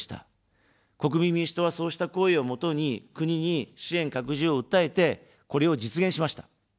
国民民主党は、そうした声をもとに国に支援拡充を訴えて、これを実現しました。